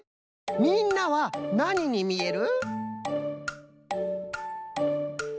みんなはなににみえる？